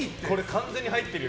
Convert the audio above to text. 完全に入ってるよ。